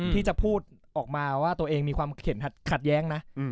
ที่จะพูดออกมาว่าตัวเองมีความเข็นขัดแย้งนะ